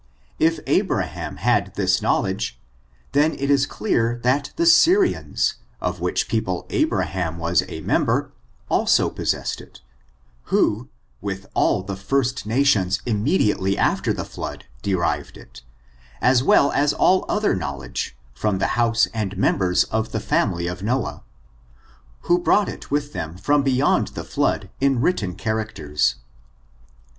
If Abraham had this knowledge, then it is clear that the Syrians, of which people Abraham was a member, also possessed it, who, with all the first nations immediately after the flood, de rived it, as well as all other knowledge, from the house and members of the family of Noah, who brought it with them from beyond the flood in writ ten characters.